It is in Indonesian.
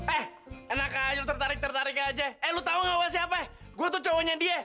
eh enak aja tertarik tertarik aja eh lu tau siapa gue tuh cowoknya dia